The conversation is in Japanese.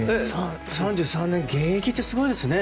３３年現役ってすごいですね。